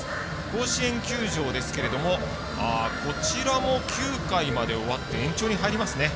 甲子園球場ですがこちらも９回まで終わって延長に入りますね。